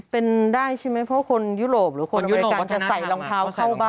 เป็นได้ใช่ไหมเพราะคนยุโรปหรือคนอเมริกันจะใส่รองเท้าเข้าบ้าน